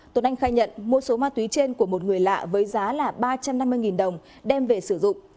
tuấn anh khai nhận mua số ma túy trên của một người lạ với giá là ba trăm năm mươi đồng đem về sử dụng